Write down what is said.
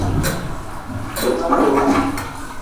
G-beu ma a do